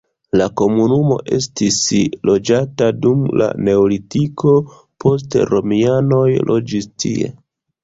La komunumo estis loĝata dum la neolitiko, poste romianoj loĝis tie.